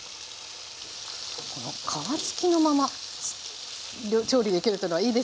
皮つきのまま調理できるっていうのはいいですよね。